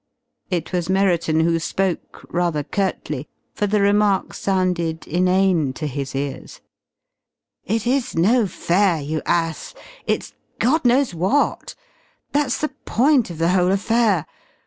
It was Merriton who spoke, rather curtly, for the remark sounded inane to his ears. "It is no fair you ass, it's God knows what! That's the point of the whole affair.